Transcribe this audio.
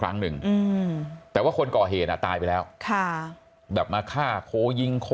ครั้งหนึ่งแต่ว่าคนก่อเหตุอ่ะตายไปแล้วแบบมาฆ่าโค้ยิงคอ